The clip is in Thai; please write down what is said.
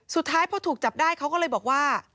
สุดท้ายพอถูกจับได้เขาก็เลยบอกว่า